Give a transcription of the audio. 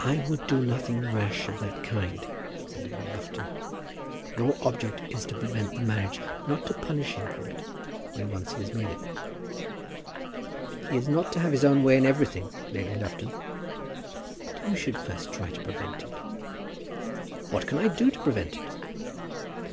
"I would do nothing rash of that kind," said Lady Lufton. "Your object is to prevent the marriage, not to punish him for it when once he has made it." "He is not to have his own way in everything, Lady Lufton." "But you should first try to prevent it." "What can I do to prevent it?"